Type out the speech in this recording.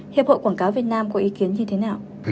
hiệp hội quảng cáo việt nam có ý kiến như thế nào